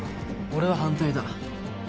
俺は反対だ。